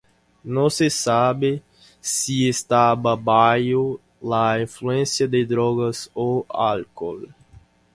No se sabe si estaba bajo la influencia de drogas o alcohol.